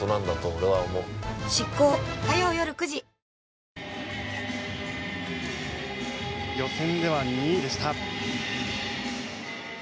わかるぞ予選では２位でした。